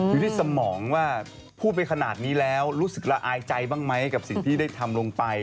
อยู่ที่สมองว่าพูดไปขนาดนี้แล้วรู้สึกละอายใจบ้างไหมกับสิ่งที่ได้ทำลงไป